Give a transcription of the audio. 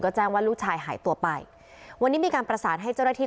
แจ้งว่าลูกชายหายตัวไปวันนี้มีการประสานให้เจ้าหน้าที่